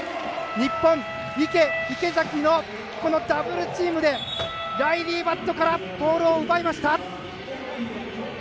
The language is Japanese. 日本、池、池崎のダブルチームでライリー・バットからボールを奪いました！